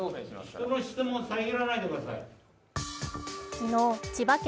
昨日、千葉県